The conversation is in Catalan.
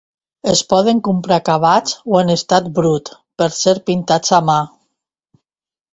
Es poden comprar acabats o en estat brut per ser pintats a mà.